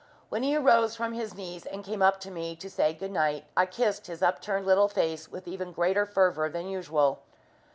When he arose from his knees and came up to me to say "Good Night," I kissed his upturned little face with even greater fervour than usual.